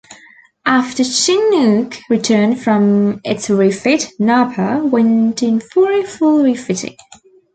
After "Chinook" returned from its refit, "Napa" went in for a full refitting.